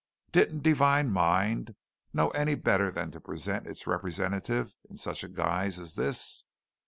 Didn't Divine Mind know any better than to present its representatives in such a guise as this?